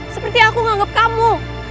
seperti aku nganggep kamu